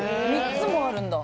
３つもあるんだ。